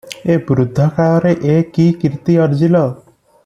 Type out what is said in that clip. ଏ ବୃଦ୍ଧକାଳରେ ଏ କି କୀର୍ତ୍ତି ଅର୍ଜିଲ ।